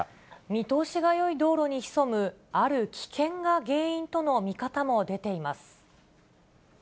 見通しがよい道路に潜むある危険が原因との見方も出ています。